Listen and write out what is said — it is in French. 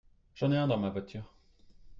J'en ai un dans ma voiture.